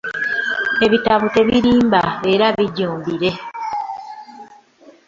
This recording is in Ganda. ebitabo tebirimba era bijjumbire.